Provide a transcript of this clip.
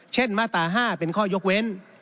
มาตรา๕เป็นข้อยกเว้น